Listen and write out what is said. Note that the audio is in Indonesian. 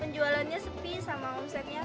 penjualannya sepi sama omsetnya